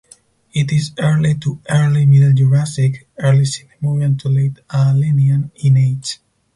It is Early to early Middle Jurassic (early Sinemurian to late Aalenian) in age.